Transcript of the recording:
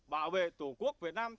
bảo vệ tổ quốc việt nam